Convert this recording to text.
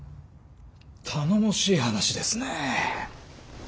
頼もしい話ですね。